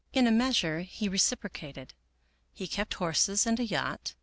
In a measure he reciprocated. He kept horses and a yacht.